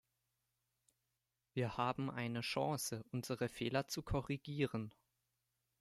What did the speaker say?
Wir haben eine Chance, unsere Fehler zu korrigieren.